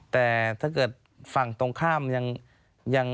แต่ถ้าเกิดฝั่งตรงข้ามยัง